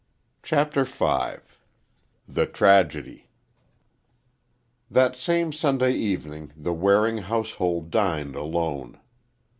CHAPTER V THE TRAGEDY That same Sunday evening the Waring household dined alone.